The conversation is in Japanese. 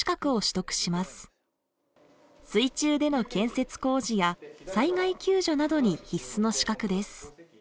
水中での建設工事や災害救助などに必須の資格です。